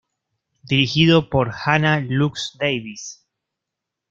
Dirigido por Hannah Lux Davis.